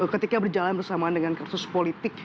ketika berjalan bersamaan dengan kasus politik